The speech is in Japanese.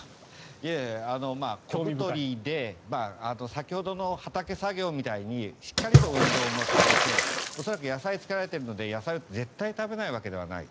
先ほどの畑作業みたいにしっかりと運動もされて恐らく野菜を作られているので野菜を絶対食べないわけではない。